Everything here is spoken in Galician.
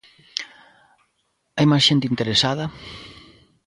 Hai máis xente interesada?